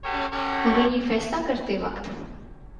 مگر یہ فیصلہ کرتے وقت